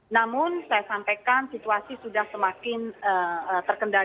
namun saya sampaikan situasi sudah semakin terkendali